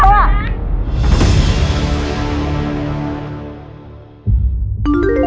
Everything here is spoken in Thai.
หนึ่งแคบ